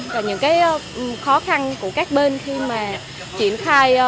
và những cái khó khăn của các bên khi mà triển khai